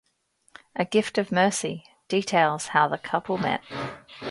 A Gift of Mercy: details how the couple met.